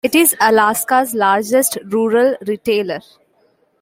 It is Alaska's largest rural retailer.